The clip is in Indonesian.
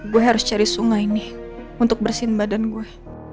gue harus cari sungai nih untuk bersihin badan gue